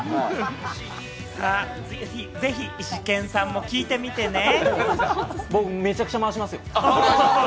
ぜひイシケンさんも聴いてみ僕めちゃくちゃ回しますよ。